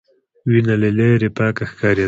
وینه له ليرې پکې ښکارېده.